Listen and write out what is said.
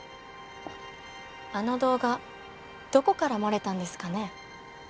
あの動画どこから漏れたんですかね？